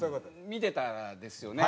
見てたらですよね。